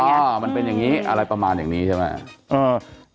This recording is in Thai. อย่างเงี้ยอ๋อมันเป็นอย่างงี้อะไรประมาณอย่างนี้ใช่ไหมเออ